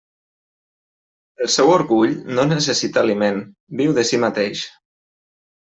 El seu orgull no necessita aliment; viu de si mateix.